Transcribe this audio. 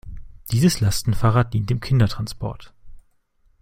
Dieses Lastenfahrrad dient dem Kindertransport.